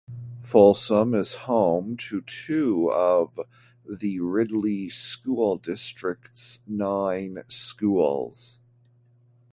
Folsom is home to two of the Ridley School District's nine schools.